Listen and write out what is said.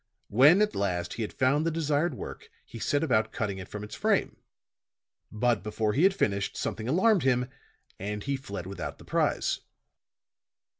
When, at last, he had found the desired work, he set about cutting it from its frame. But, before he had finished, something alarmed him, and he fled without the prize."